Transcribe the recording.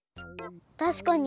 たしかに！